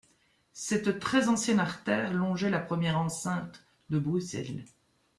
Cette très ancienne artère longeait la première enceinte de Bruxelles.